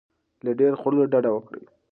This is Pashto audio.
له ډیر خوړلو ډډه وکړئ.